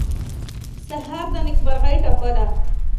سهار د نېکمرغۍ ټپه ده.